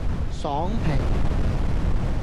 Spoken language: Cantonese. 爽皮